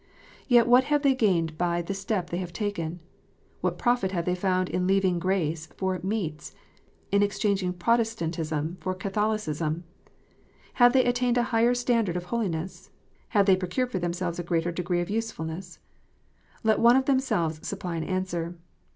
Yet what have they gained by the step they have taken "? What profit have they found in leaving " grace " for "meats," in exchanging Protestantism for Catholicism ? Have they attained a higher standard of holi ness 1 Have they procured for themselves a greater degree of usefulness? Let one of themselves supply an answer.